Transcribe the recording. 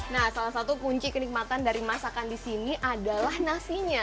nah salah satu kunci kenikmatan dari masakan di sini adalah nasinya